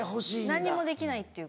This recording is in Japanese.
何にもできないっていう。